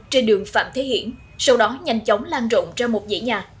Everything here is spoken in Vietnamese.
trên đường phạm thế hiển sau đó nhanh chóng lan rộng ra một dãy nhà